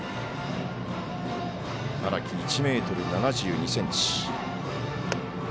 荒木、１ｍ７２ｃｍ。